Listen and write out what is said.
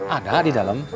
ada di dalam